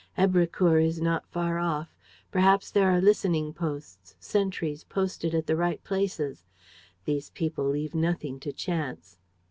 Èbrecourt is not far off. Perhaps there are listening posts, sentries posted at the right places. These people leave nothing to chance."